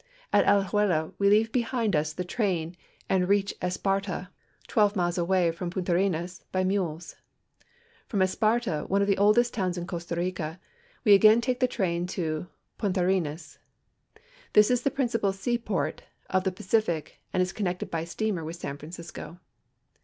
At Alajuela we leave behind us tiie train and reach Esparta, twelve miles away from Puntarenas, by mules. From Esparta, one of the oldest towns in Costa Rica, we again take the train to Puntarenas. This is the principal seaport on the Pacific and is connected by steamer with San Francisco.